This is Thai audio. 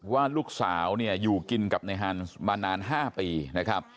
ว่าลูกสาวเนี่ยอยู่กินกับนายฮันส์มานาน๕ปีนะครับ